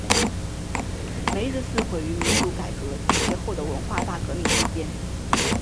梅日寺毁于民主改革及其后的文化大革命期间。